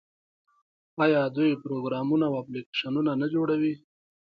آیا دوی پروګرامونه او اپلیکیشنونه نه جوړوي؟